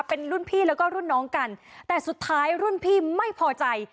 เป็นรุ่นพี่แล้วก็รุ่นน้องกันแต่สุดท้ายรุ่นพี่ไม่พอใจ